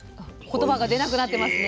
言葉が出なくなってますね。